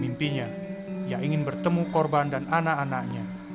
mimpinya ia ingin bertemu korban dan anak anaknya